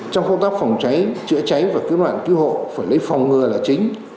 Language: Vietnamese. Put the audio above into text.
trong công tác phòng cháy chữa cháy và cứu nạn cứu hộ phải lấy phòng ngừa là chính